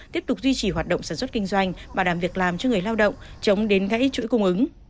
tiếp tục duy trì hoạt động sản xuất kinh doanh bảo đảm việc làm cho người lao động chống đến gãy chuỗi cung ứng